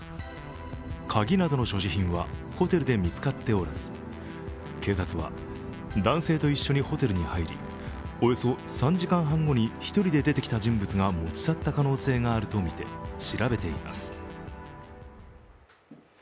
鍵などの所持品はホテルで見つかっておらず警察は、男性と一緒にホテルに入りおよそ３時間半後に１人で出てきた人物が持ち去った可能性があるとみて調べています。